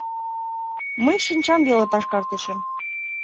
Мый шинчам веле пашкартышым.